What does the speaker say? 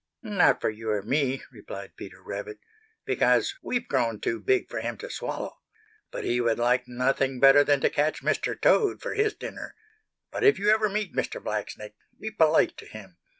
"Not for you or me," replied Peter Rabbit, "because we've grown too big for him to swallow. But he would like nothing better than to catch Mr. Toad for his dinner. But if you ever meet Mr. Blacksnake, be polite to him.